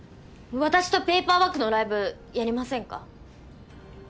私とペイパーバックのライブやりませんか？